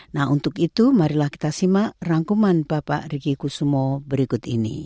nah untuk itu marilah kita simak rangkuman bapak riki kusumo berikut ini